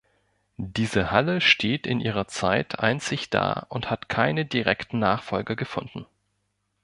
Diese Halle steht in ihrer Zeit einzig da und hat keine direkten Nachfolger gefunden.